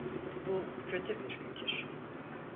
Bu kötü bir fikir.